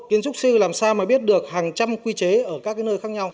kiến trúc sư làm sao mà biết được hàng trăm quy chế ở các nơi khác nhau